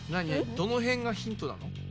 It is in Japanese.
どのへんがヒントなの？